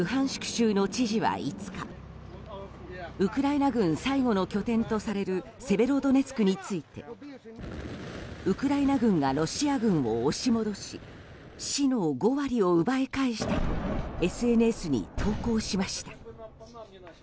州の知事は５日ウクライナ軍最後の拠点とされるセベロドネツクについてウクライナ軍がロシア軍を押し戻し市の５割を奪い返したとＳＮＳに投稿しました。